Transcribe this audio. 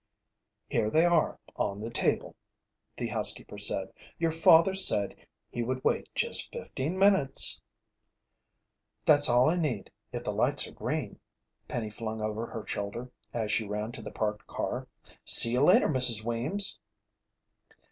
"Here they are, on the table," the housekeeper said. "Your father said he would wait just fifteen minutes." "That's all I need, if the lights are green," Penny flung over her shoulder, as she ran to the parked car. "See you later, Mrs. Weems!"